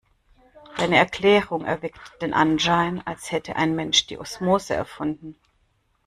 Deine Erklärung erweckt den Anschein, als hätte ein Mensch die Osmose erfunden.